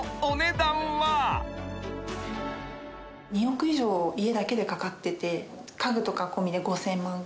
２億以上家だけでかかってて家具とか込みで５，０００万。